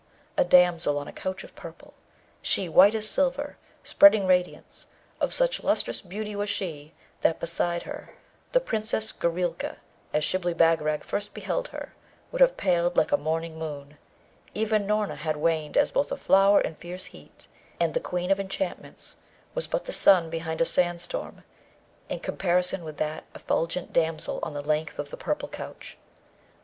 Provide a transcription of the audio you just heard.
a damsel on a couch of purple, she white as silver, spreading radiance. Of such lustrous beauty was she that beside her, the Princess Goorelka as Shibli Bagarag first beheld her, would have paled like a morning moon; even Noorna had waned as Both a flower in fierce heat; and the Queen of Enchantments was but the sun behind a sand storm, in comparison with that effulgent damsel on the length of the purple couch.